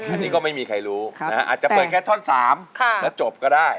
อันนี้ก็ไม่มีใครรู้อาจจะเปิดแค่ท่อน๓แล้วจบก็ได้